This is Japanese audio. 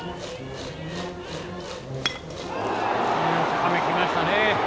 高め来ましたね。